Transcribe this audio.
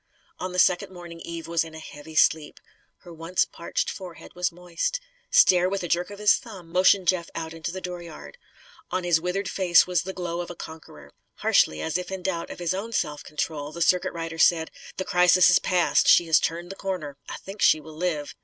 On the second morning Eve was in a heavy sleep. Her once parched forehead was moist. Stair, with a jerk of his thumb, motioned Jeff out into the dooryard. On his withered face was the glow of a conqueror. Harshly, as if in doubt of his own self control, the circuit rider said: "The crisis is past. She has turned the corner. I think she will live.